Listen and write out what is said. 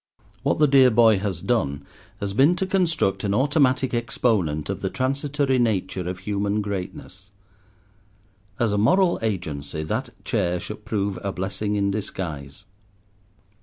What the dear boy has done has been to construct an automatic exponent of the transitory nature of human greatness. As a moral agency that chair should prove a blessing in disguise."